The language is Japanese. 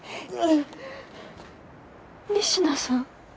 仁科さん？